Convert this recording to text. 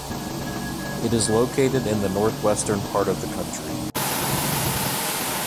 It is located in the northwestern part of the country.